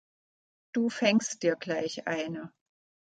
Du fängst dir gleich eine!